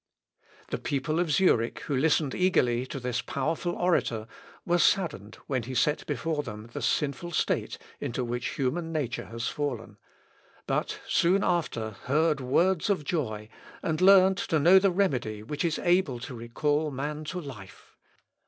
] The people of Zurich who listened eagerly to this powerful orator were saddened when he set before them the sinful state into which human nature has fallen, but soon after heard words of joy, and learned to know the remedy which is able to recall man to life.